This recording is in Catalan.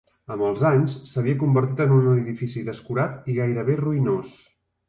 Amb els anys s'havia convertit en un edifici descurat i gairebé ruïnós.